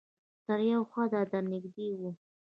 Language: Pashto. تر یو حده درنږدې وم